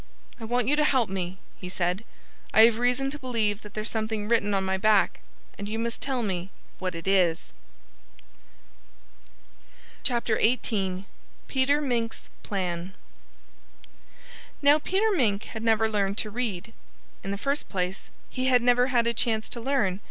"I want you to help me," he said. "I have reason to believe that there's something written on my back. And you must tell me what it is." XVIII PETER MINK'S PLAN Now Peter Mink had never learned to read. In the first place, he had never had a chance to learn.